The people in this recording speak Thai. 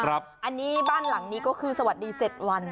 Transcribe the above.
อันนี้บ้านหลังนี้ก็คือสวัสดี๗วัน